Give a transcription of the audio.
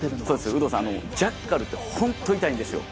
有働さん、ジャッカルって本当に痛いんですよ。